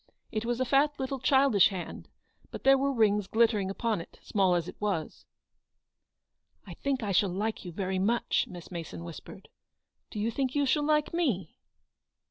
It was a fat little childish hand, but there were rings glittering upon it, small as it was. "I think I shall like you very much," Miss Mason whispered. " Do you think you shall like me?"